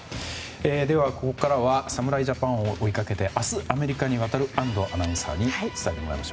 では、ここからは侍ジャパンを追いかけて明日アメリカに渡る安藤アナウンサーに伝えてもらいます。